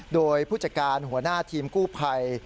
โดยผู้จัดการหัวหน้าทีมกู้ภัย